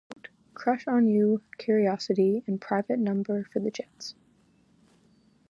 Knight also co-wrote "Crush On You," "Curiosity," and "Private Number" for The Jets.